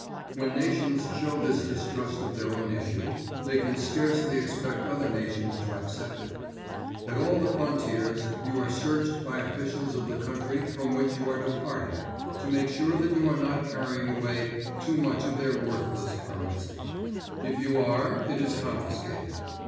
When nations show this distrust of their own issue, they can scarcely expect other nations to accept it. At all the frontiers you are searched by officials of the country from which you are departing, to make sure that you are not carrying away too much of their worthless currency. If you are, it is confiscated.